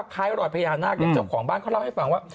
คล้ายรอยพญานาคเจ้าของบ้านเขาเล่าให้ฟังว่า